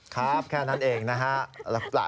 ครับแค่นั้นเองนะฮะ